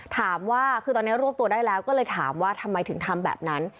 ถามว่าคือตอนนี้รวบตัวได้แล้วก็เลยถามว่าทำไมถึงทำแบบนั้น